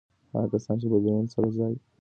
هغه کسان چې له بدلونونو سره ځان نه سموي، ورکېږي.